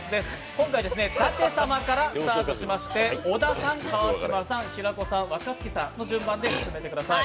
今回、舘様からスタートしまして、小田さん、川島さん平子さん、若槻さんの順番で進めてください。